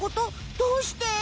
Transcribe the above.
どうして？